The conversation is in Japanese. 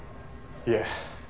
いえ。